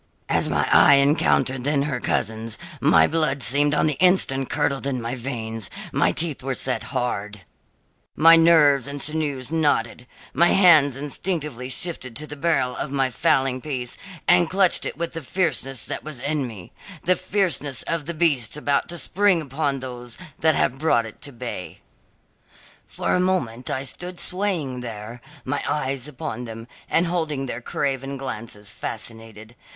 As my eye encountered then her cousins, my blood seemed on the instant curdled in my veins; my teeth were set hard; my nerves and sinews knotted; my hands instinctively shifted to the barrel of my fowling piece and clutched it with the fierceness that was in me the fierceness of the beast about to spring upon those that have brought it to bay. "For a moment I stood swaying there, my eyes upon them, and holding their craven glances fascinated.